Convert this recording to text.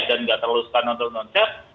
dan nggak terlalu suka nonton konser